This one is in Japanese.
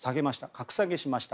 格下げしました。